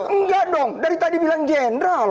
enggak dong dari tadi bilang jenderal